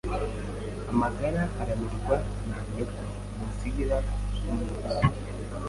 amagara aramirwa ntamerwa), umunsigira isuumunsi